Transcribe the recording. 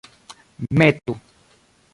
metu